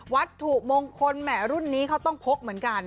วัตถุมงคลแหม่รุ่นนี้เขาต้องพกเหมือนกัน